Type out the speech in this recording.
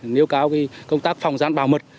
nêu cáo công tác phòng gián bảo mật